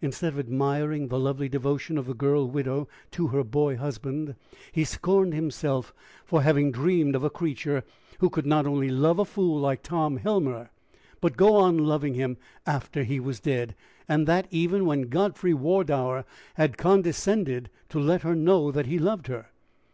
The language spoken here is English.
Instead of admiring the lovely devotion of the girl widow to her boy husband, he scorned himself for having dreamed of a creature who could not only love a fool like Tom Helmer, but go on loving him after he was dead, and that even when Godfrey Wardour had condescended to let her know he loved her.